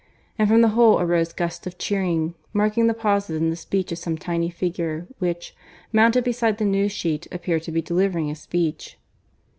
And from the whole arose gusts of cheering, marking the pauses in the speech of some tiny figure which, mounted beside the news sheet, appeared to be delivering a speech.